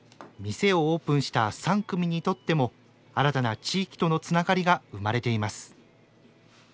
店をオープンした３組にとっても新たな地域とのつながりが生まれています。